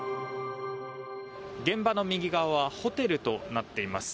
現場の右側はホテルとなっています。